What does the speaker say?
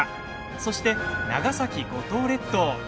そして長崎、五島列島。